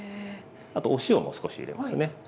あとお塩も少し入れますね。